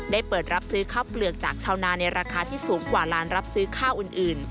เปิดรับซื้อข้าวเปลือกจากชาวนาในราคาที่สูงกว่าร้านรับซื้อข้าวอื่น